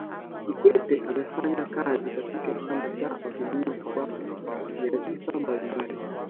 kikwete amefanya kazi katika chama cha mapinduzi kwa nyadhifa mbalimbali